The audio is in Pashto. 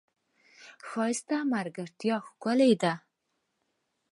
ښایست د ملګرتیا ښکلې نښه ده